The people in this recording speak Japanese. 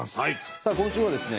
さあ今週はですね